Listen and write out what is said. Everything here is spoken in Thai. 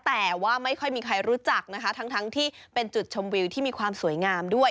แต่ว่าไม่ค่อยมีใครรู้จักนะคะทั้งที่เป็นจุดชมวิวที่มีความสวยงามด้วย